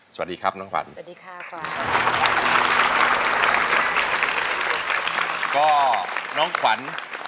สวัสดีครับน้องขวัญ